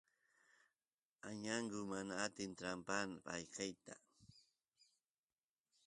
añangu mana atin trampaan ayqeyta